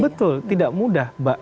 betul tidak mudah mbak